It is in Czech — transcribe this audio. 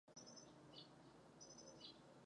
Taková byla jeho slova.